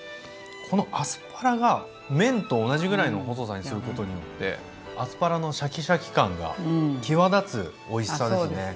このアスパラが麺と同じぐらいの細さにすることによってアスパラのシャキシャキ感が際立つおいしさですね。